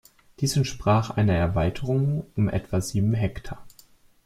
Dies entsprach einer Erweiterung um etwa sieben Hektar.